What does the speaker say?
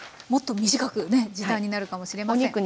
もっと短くね時短になるかもしれません。